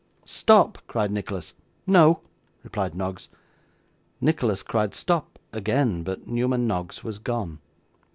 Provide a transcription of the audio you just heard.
'Stop!' cried Nicholas. 'No,' replied Noggs. Nicholas cried stop, again, but Newman Noggs was gone.